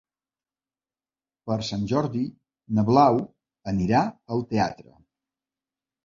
Per Sant Jordi na Blau anirà al teatre.